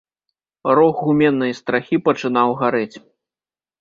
Рог гуменнай страхі пачынаў гарэць.